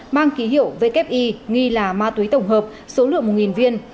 mang ký hiệu vki ghi là ma túy tổng hợp số lượng một viên